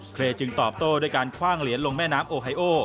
เครย์จึงตอบโต้ด้วยการคว่างเหรียญลงแม่น้ำโอไฮโอ